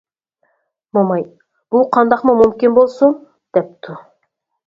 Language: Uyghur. موماي «بۇ قانداقمۇ مۇمكىن بولسۇن» دەپتۇ.